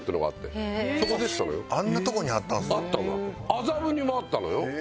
麻布にもあったのよ。